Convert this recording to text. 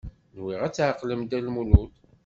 Nwiɣ ad tɛeqlem Dda Lmulud.